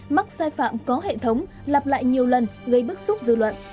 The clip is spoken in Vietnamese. mắc sai phạm có hệ thống lặp lại nhiều lần gây bức xúc dư luận